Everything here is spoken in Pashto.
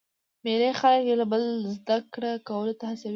مېلې خلک یو له بله زده کړي کولو ته هڅوي.